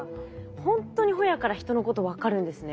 ほんとにホヤからヒトのこと分かるんですね。